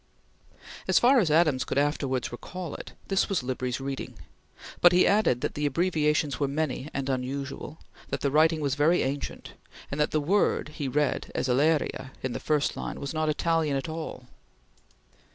As far as Adams could afterwards recall it, this was Libri's reading, but he added that the abbreviations were many and unusual; that the writing was very ancient; and that the word he read as "elleria" in the first line was not Italian at all.